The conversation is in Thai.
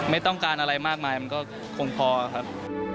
ไม่ต้องการอะไรมากมายมันก็คงพอครับ